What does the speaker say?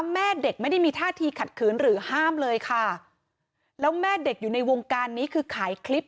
แม่เด็กไม่ได้มีท่าทีขัดขืนหรือห้ามเลยค่ะแล้วแม่เด็กอยู่ในวงการนี้คือขายคลิป